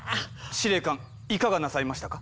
司令官いかがなさいましたか？